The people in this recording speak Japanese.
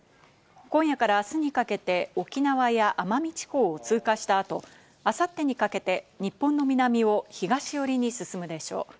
今夜からあすにかけて沖縄や奄美地方を通過した後、あさってにかけて日本の南を東寄りに進むでしょう。